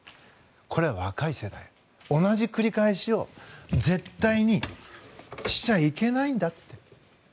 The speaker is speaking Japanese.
これは若い世代、同じ繰り返しを絶対にしちゃいけないんだって。